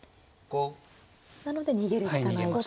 なので逃げるしかないと。